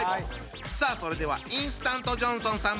さあそれではインスタントジョンソンさん